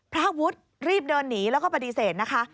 พระวุฒิรีบเดินหนีแล้วก็ปฏิเสธนะคะ